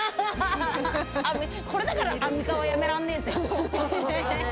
これだからアンミカはやめらんねえぜ。